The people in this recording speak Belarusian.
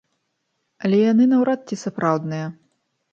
Але яны наўрад ці сапраўдныя.